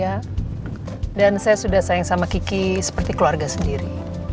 ya dan saya sudah sayang sama kiki seperti keluarga sendiri